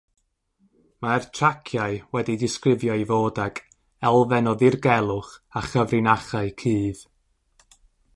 Mae'r traciau wedi'u disgrifio i fod ag “elfen o ddirgelwch a chyfrinachau cudd”.